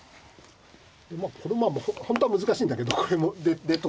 まあこれも本当は難しいんだけどこれも出といて。